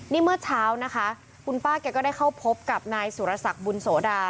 นี่เมื่อเช้านะคะคุณป้าแกก็ได้เข้าพบกับนายสุรสักบุญโสดา